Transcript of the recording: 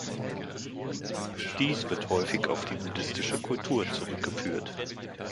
Dies wird häufig auf die buddhistische Kultur zurückgeführt.